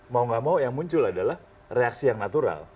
mau gak mau yang muncul adalah reaksi yang natural